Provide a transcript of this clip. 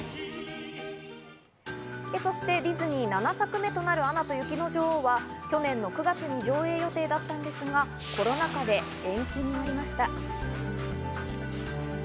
そして、ディズニー７作目となる『アナと雪の女王』は、去年の９月に上演予定だったんですが、コロナ禍で延期になりました。